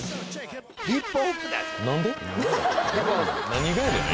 何がやねんな